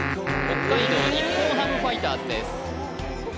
北海道日本ハムファイターズです